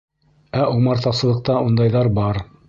Ә умартасылыҡта ундайҙар бар.